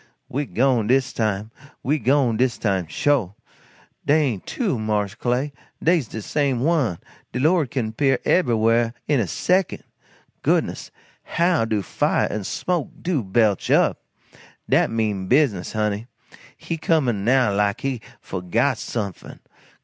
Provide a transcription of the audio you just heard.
"We gone dis time we done gone dis time, sho'! Dey ain't two, mars Clay days de same one. De Lord kin 'pear eberywhah in a second. Goodness, how do fiah and de smoke do belch up! Dat mean business, honey. He comin' now like he fo'got sumfin.